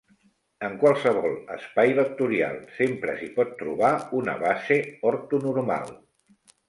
En qualsevol espai vectorial, sempre s'hi pot trobar una base ortonormal.